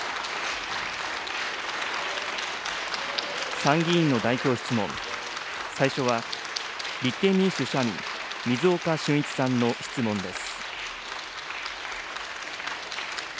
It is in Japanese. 参議院の代表質問、最初は立憲民主・社民、水岡俊一さんの質問です。